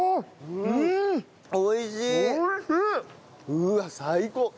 うわっ最高。